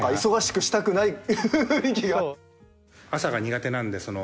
朝が苦手なんでその。